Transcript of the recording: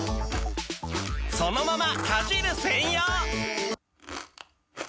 そのままかじる専用！